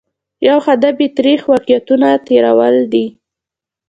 یو هدف یې ترخ واقعیتونه تېرول دي.